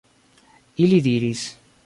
Ili diris: